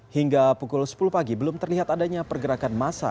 hingga pukul sepuluh pagi belum terlihat adanya pergerakan masa